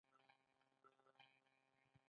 ما ترې وپوښتل مشخص لامل یې درته معلوم دی.